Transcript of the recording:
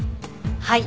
はい。